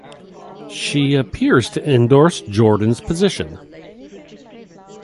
She appears to endorse Jordan's position.